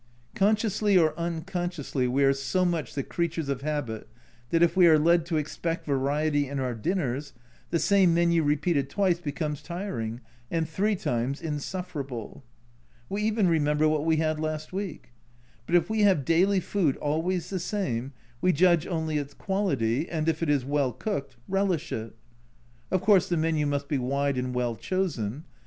Consciously or unconsciously, we are so much the creatures of habit that if we are led to expect variety in our dinners, the same menu repeated twice becomes tiring and three times insufferable. We even re member what we had last week but if we have daily food always the same, we judge only its quality, and if it is well cooked, relish it. Of course the menu must be wide and well chosen.